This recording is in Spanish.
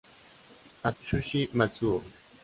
Atsushi Matsuo